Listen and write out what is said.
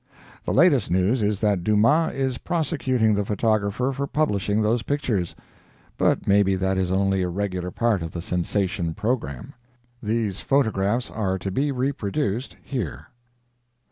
The latest news is that Dumas is prosecuting the photographer for publishing those pictures, but maybe that is only a regular part of the sensation programme. These photographs are to be reproduced here.